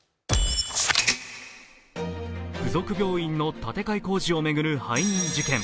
付属病院の建て替え工事を巡る背任事件。